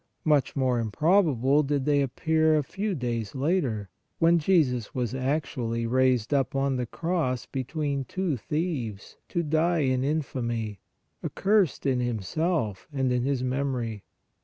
Much more improbable did they appear a few days later, when Jesus was actually raised up on the cross between two thieves to die in infamy, accursed in Himself and in His memory!